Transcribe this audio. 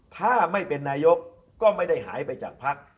ถ้าไม่เป็นนายกก็ไม่ได้หายไปจากพัก